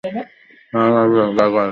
হ্যাঁ, রাজা।